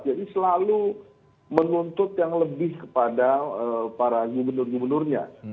jadi selalu menuntut yang lebih kepada para gubernur gubernurnya